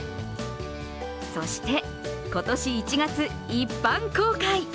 そして今年１月、一般公開。